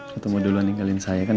kau mau duluan ninggalin saya kan